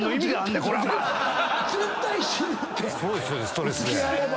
ストレスで。